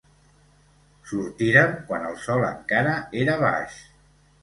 Sortírem quan el sol encara era baix.